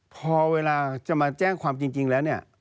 พอเวลาจะมาแจ้งความจริงแล้วเนี่ย